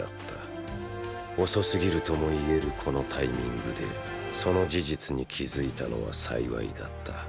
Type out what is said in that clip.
遅すぎるともいえるこのタイミングでその事実に気付いたのは幸いだった。